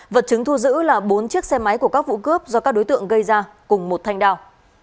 vật chứng thu giữ là bốn chiếc xe máy của các vụ cướp do các đối tượng gây ra cùng một thanh đào